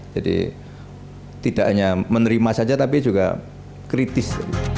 jadi tidak hanya menerima saja tapi juga kritis